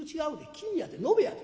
金やで延べやで。